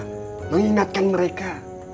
sudah berusaha mengingatkan mereka